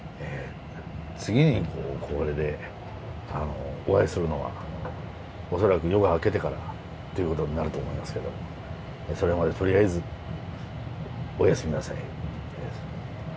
次にこれでお会いするのは恐らく夜が明けてからということになると思いますけどもそれまでとりあえずおやすみなさい。